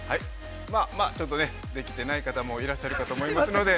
◆ちょっとねできてない方もいらっしゃるかと思いますので。